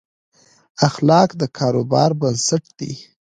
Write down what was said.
اخلاق د کاروبار بنسټ دي.